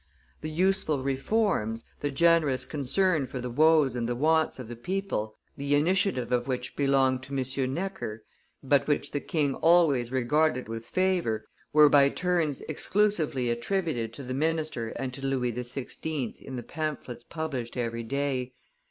The useful reforms, the generous concern for the woes and the wants of the people, the initiative of which belonged to M. Necker, but which the king always regarded with favor, were by turns exclusively attributed to the minister and to Louis XVI. in the pamphlets published every day.